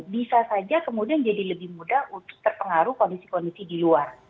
bisa saja kemudian jadi lebih mudah untuk terpengaruh kondisi kondisi di luar